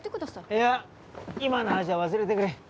いや今の話は忘れてくれ。